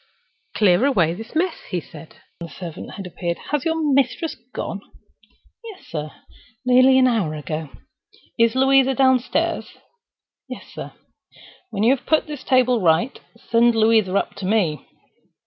"Clear away this mess," he said, when the servant appeared. "Has your mistress gone?" "Yes, sir—nearly an hour ago." "Is Louisa downstairs?" "Yes, sir." "When you have put the table right, send Louisa up to me."